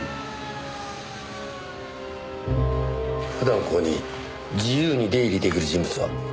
普段ここに自由に出入り出来る人物は？